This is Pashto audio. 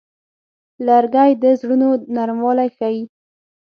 لرګی د زړونو نرموالی ښيي.